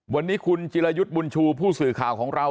วันนี้คุณจิรายุทธ์บุญชูผู้สื่อข่าวของเรา